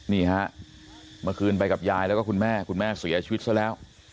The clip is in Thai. นี่ฮะเมื่อคืนไปกับยายแล้วก็คุณแม่คุณแม่เสียชีวิตซะแล้ว